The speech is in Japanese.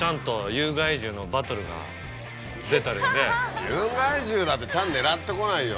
有害獣だってチャン狙ってこないよ。